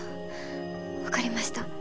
分かりました